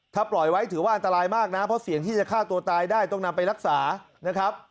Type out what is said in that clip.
ถ้าปล่อยไว้ถือว่าจะอันตรายมากนะ